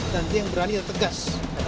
nanti yang berani adalah tegas